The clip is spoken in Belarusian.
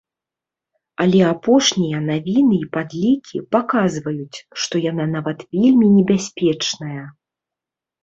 Але апошнія навіны і падлікі паказваюць, што яна нават вельмі небяспечная.